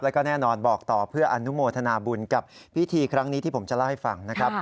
แล้วก็แน่นอนบอกต่อเพื่ออนุโมทนาบุญกับพิธีครั้งนี้ที่ผมจะเล่าให้ฟังนะครับ